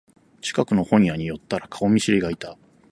近くの本屋に寄ったら顔見知りがいた